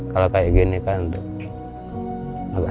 kalau kayak gini kan